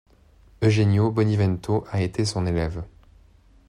Eugenio Bonivento a été son élève.